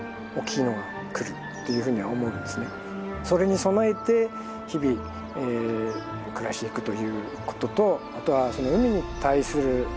それに備えて日々暮らしていくということとあとは海に対する何というんでしょうね